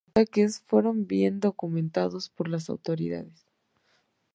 Los ataques fueron bien documentados por las autoridades.